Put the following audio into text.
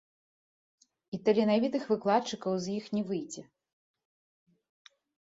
І таленавітых выкладчыкаў з іх не выйдзе.